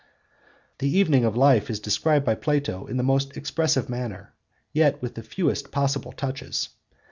The evening of life is described by Plato in the most expressive manner, yet with the fewest possible touches.